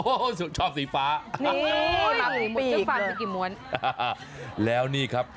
โอ้โฮสุดชอบสีฟ้านี่มันมีหมดเจ้าฟันกี่หมวดแล้วนี่ครับ